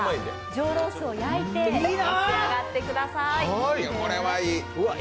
上ロースを焼いて召し上がってください。